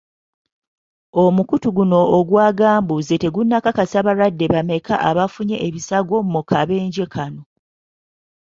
Omukutu guno ogwa Gambuuze tegunakakasa balwadde bameka abafunye ebisago mu kabenje kano.